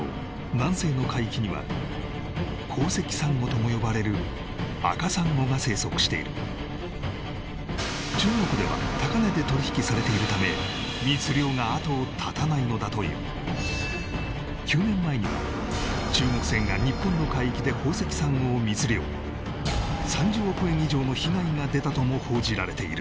南西の海域には宝石サンゴとも呼ばれる赤サンゴが生息しているされているため密漁が後を絶たないのだという９年前には中国船が日本の海域で宝石サンゴを密漁３０億円以上の被害が出たとも報じられている